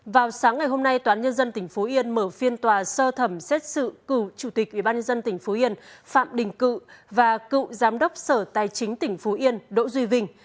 vào sáng ngày hôm nay toán nhân dân tỉnh phú yên mở phiên tòa sơ thẩm xét xử cựu chủ tịch ubnd tỉnh phú yên phạm đình cự và cựu giám đốc sở tài chính tỉnh phú yên đỗ duy vinh